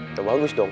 udah bagus dong